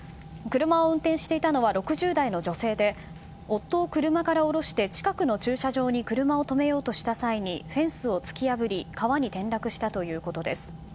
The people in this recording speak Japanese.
車を運転していたのは６０代の女性で夫を車から降ろして近くの駐車場に車を止めようとした際にフェンスを突き破り川に転落したということです。